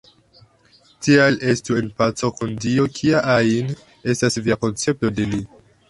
Tial estu en paco kun Dio, kia ajn estas via koncepto de Li.